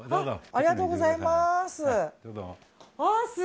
ありがとうございます。